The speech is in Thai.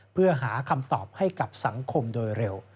เพื่อหาคำตอบให้กับสังคมโดยเร็ว